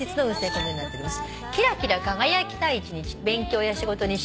このようになっております。